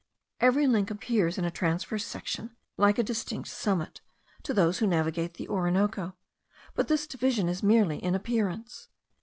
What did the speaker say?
Every link appears, in a transverse section, like a distinct summit, to those who navigate the Orinoco; but this division is merely in appearance.